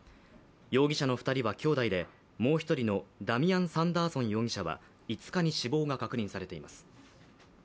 容疑者の２人は兄弟でもう一人のダミアン・サンダーソン容疑者は５日に死亡が確認されています。